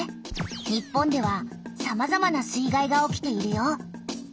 日本ではさまざまな水害が起きているよ。